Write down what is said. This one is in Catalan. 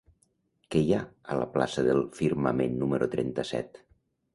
Què hi ha a la plaça del Firmament número trenta-set?